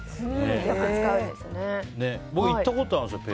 僕行ったことあるんですよ